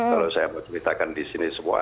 kalau saya menceritakan di sini semua